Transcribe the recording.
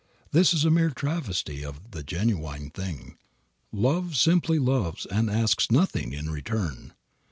This is a mere travesty of the genuine thing. Love simply loves and asks nothing in return.